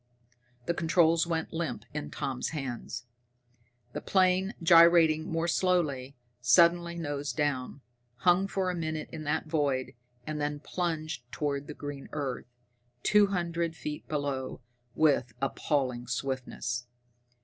The controls went limp in Tommy's hands. The plane, gyrating more slowly, suddenly nosed down, hung for a moment in that void, and then plunged toward the green earth, two hundred feet below, with appalling swiftness.